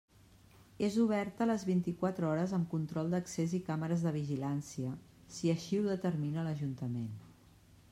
És oberta les vint-i-quatre hores amb control d'accés i càmeres de vigilància, si així ho determina l'Ajuntament.